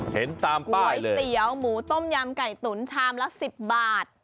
เห็นตามก๋วยเตี๋ยวหมูต้มยำไก่ตุ๋นชามละ๑๐บาท